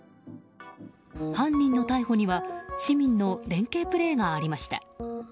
犯人の逮捕には市民の連係プレーがありました。